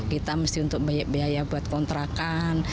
kita mesti untuk biaya buat kontrakan